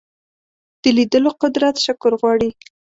د لیدلو قدرت شکر غواړي